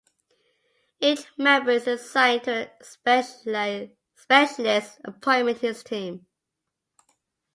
Each member is assigned to a specialist appointment in his team.